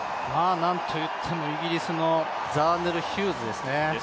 何といってもイギリスのザーネル・ヒューズですね。